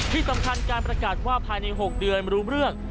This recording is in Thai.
ที่สำคัญการประกาศว่าภายใน๖เดือนรู้เรื่อง